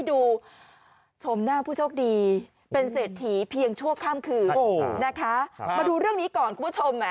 คุณผู้ชมเดี๋ยวให้ดูเต็มนะคะ